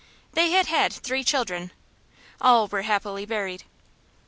They had had three children; all were happily buried.